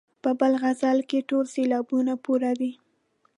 په بل غزل کې ټول سېلابونه پوره دي.